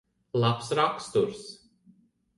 Labs raksturs.